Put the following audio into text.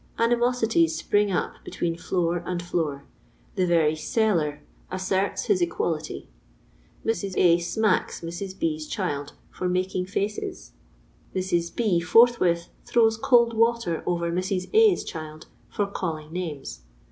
Animosities spring up betwaen floor and floor; the very celUr asseru his equality. Mrs. A. 'smacks' Mrs. B.'s child for 'nmiung faces.' Mrs. B. forthwith throws cold water over Mrs. A.'s child for ' calling names.'